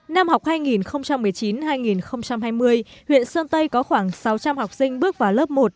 năm học hai nghìn một mươi chín hai nghìn hai mươi huyện sơn tây có khoảng sáu trăm linh học sinh bước vào lớp một